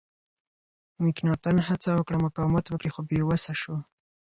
مکناتن هڅه وکړه مقاومت وکړي خو بې وسه شو.